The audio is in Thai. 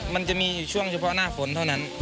มันจะมีอย่างเฉินช่วงฝนเท่านั้น